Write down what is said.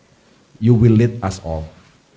anda akan memimpinkan kami semua